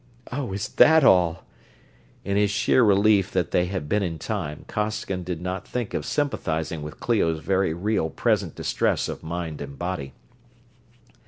"Oh, is that all!" In his sheer relief that they had been in time, Costigan did not think of sympathizing with Clio's very real present distress of mind and body.